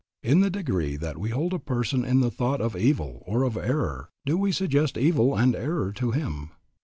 In the degree that we hold a person in the thought of evil or of error, do we suggest evil and error to him.